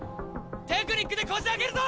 テクニックでこじあけるぞ！